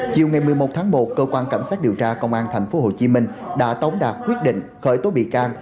chiều ngày một mươi một tháng một cơ quan cảnh sát điều tra công an tp hcm đã tống đạt quyết định khởi tố bị can